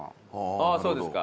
ああそうですか。